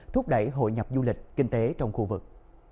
thúc đẩy hội nhập du lịch kinh tế trong khu vực